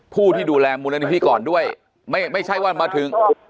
ผู้ที่ดูแลมูลนิธิก่อนด้วยไม่ใช่ว่ามาถึง